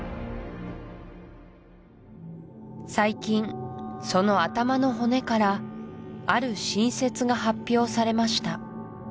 最近その頭の骨からある新説が発表されました